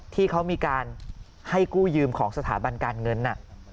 ที่เขามีการให้กู้ยืมของสถาบันการเงิน